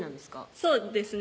そうですね